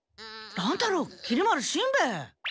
乱太郎きり丸しんべヱ！